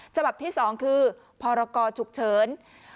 ฉบับที่๒คือพรกรฉุกเฉิน